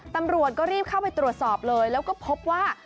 ตำรวจก็รีบเข้าไปตรวจสอบเลยแล้วก็พบว่า